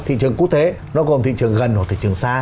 thị trường quốc tế nó gồm thị trường gần hoặc thị trường xa